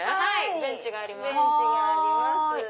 ベンチがあります。